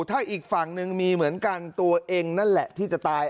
ถ้าอีกฝั่งนะมีเหมือนกันตัวเองที่จะตาย